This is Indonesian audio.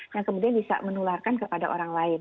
yang kemudian bisa menularkan kepada orang lain